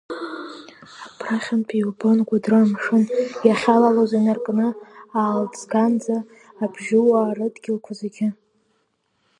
Абрахьынтәи иубон Кәыдры амшын иахьалалоз инаркны, Аалӡганӡа Абжьуаа рыдгьылқәа зегьы.